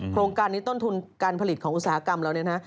โครงการนี้ต้นทุนการผลิตของอุตสาหกรรมเราเนี่ยนะ